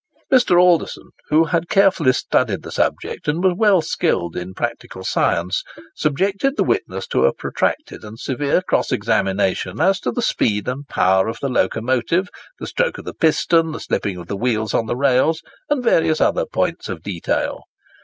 Mr. Alderson, who had carefully studied the subject, and was well skilled in practical science, subjected the witness to a protracted and severe cross examination as to the speed and power of the locomotive, the stroke of the piston, the slipping of the wheels upon the rails, and various other points of detail.